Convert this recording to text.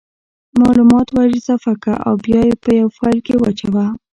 مالومات ور اضافه که او بیا یې په یو فایل کې واچوه